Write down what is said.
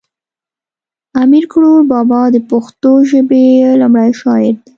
امیر کړوړ بابا د پښتو ژبی لومړی شاعر دی